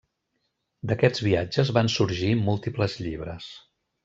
D'aquests viatges van sorgir múltiples llibres.